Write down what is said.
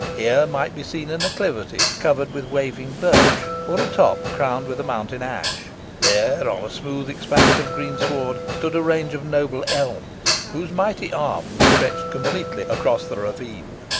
Here might be seen an acclivity covered with waving birch, or a top crowned with a mountain ash there, on a smooth expanse of greensward, stood a range of noble elms, whose mighty arms stretched completely across the ravine.